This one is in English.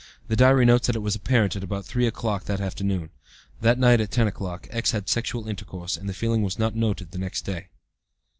(The diary notes that it was apparent at about 3 o'clock that afternoon. That night at 10 o'clock, X. had sexual intercourse, and the feeling was not noted the next day.)